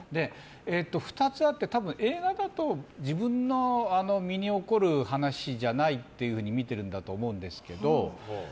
２つあって、映画だと自分の身に起こる話じゃないっていうふうに見てるんだと思うんですけど。